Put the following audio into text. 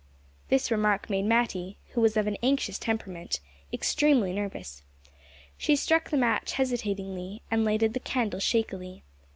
This remark made Matty, who was of an anxious temperament, extremely nervous. She struck the match hesitatingly, and lighted the candle shakily.